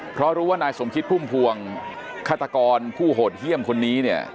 เพราะรู้ว่านายสมคิดพุ่มพวงฆาตกรผู้โหดเยี่ยมคนนี้เนี่ย